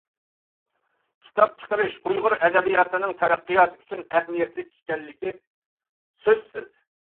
كىتاب چىقىرىش ئۇيغۇر ئەدەبىياتىنىڭ تەرەققىياتى ئۈچۈن ئەھمىيەتلىك ئىكەنلىكى، سۆزسىز.